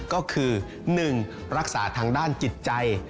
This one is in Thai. ก็คือ๑รักษาทางด้านจิตใจ